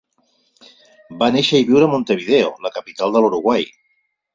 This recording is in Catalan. Va néixer i viure a Montevideo, la capital de l"Uruguai.